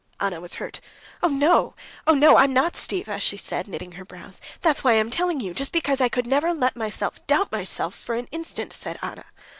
Anna was hurt. "Oh no, oh no! I'm not Stiva," she said, knitting her brows. "That's why I'm telling you, just because I could never let myself doubt myself for an instant," said Anna.